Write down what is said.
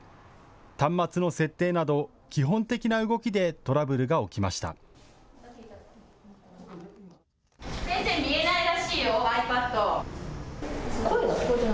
端末の設定など基本的な動きでトラブルが起きました。